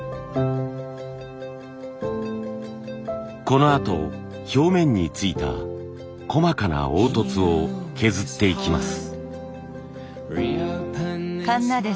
このあと表面についた細かな凹凸を削っていきます。